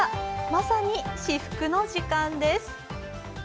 まさに至福の時間です。